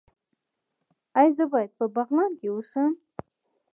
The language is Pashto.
ایا زه باید په بغلان کې اوسم؟